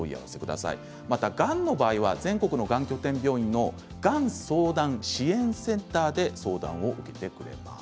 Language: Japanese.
また、がんの場合は全国のがん拠点病院にあるがん相談支援センターが相談に乗ってくれます。